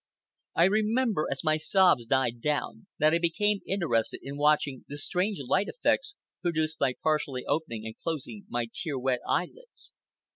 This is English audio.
I remember, as my sobs died down, that I became interested in watching the strange light effects produced by partially opening and closing my tear wet eyelids.